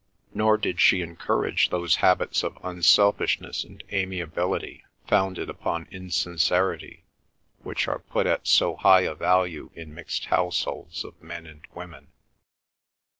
Nor did she encourage those habits of unselfishness and amiability founded upon insincerity which are put at so high a value in mixed households of men and women.